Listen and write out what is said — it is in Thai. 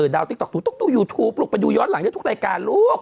ดาวน์ติ๊กต็อกติ๊กตรูยูทูปไปดูย้อนหลังทุกรายการลูก